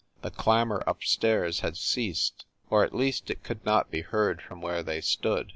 The clamor up stairs had ceased, or at least it could not be heard from where they stood.